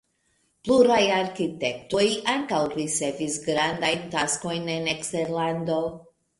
Pluraj arkitektoj ankaŭ ricevis grandajn taskojn en eksterlando.